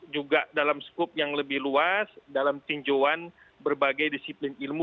juga dalam skup yang lebih luas dalam tinjauan berbagai disiplin ilmu